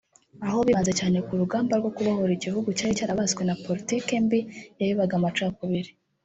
aho bibanze cyane ku rugamba rwo kubohora igihugu cyari cyarabaswe na politiki mbi yabibaga amacakubiri